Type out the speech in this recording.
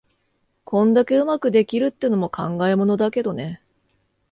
こんだけ上手くできるってのも考えものだけどね。